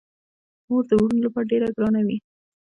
خور د وروڼو لپاره ډیره ګرانه وي.